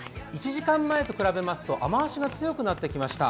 １時間前と比べますと雨足が強くなってきました。